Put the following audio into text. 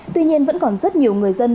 tuy nhiên vẫn còn rất nhiều người dân